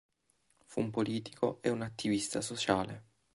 Fu un politico e un attivista sociale.